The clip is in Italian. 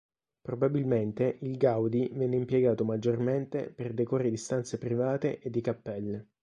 Probabilmente il Gaudi venne impiegato maggiormente per decori di stanze private, e di cappelle.